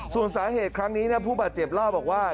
ส่วนสาเหตุครั้งนี้ผู้บาดเจ็บเล่าบอกว่า